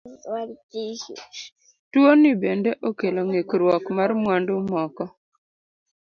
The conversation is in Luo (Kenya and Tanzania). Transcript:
Tuoni bende okelo ng'ikruok mar mwandu moko.